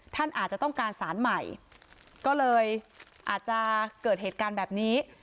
ท่านอาจจะต้องการสารใหม่ก็เลยอาจจะเกิดเหตุการณ์แบบนี้